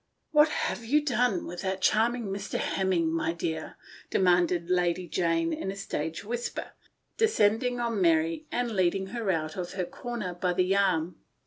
" What have you done with that charming Mr. Hemming, my dear?" demanded Lady Jane in a stage whisper, descending on Mary and leading her out of her corner by the arm.